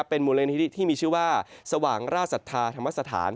เป็นมูลนิธิที่มีชื่อว่าสว่างราชศรัทธาธรรมสถาน